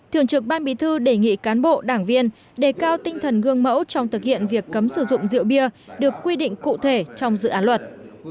thường trực ban bí thư đề nghị cán bộ đảng viên đề cao tinh thần gương mẫu trong thực hiện việc cấm sử dụng rượu bia được quy định cụ thể trong dự án luật